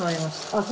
あっ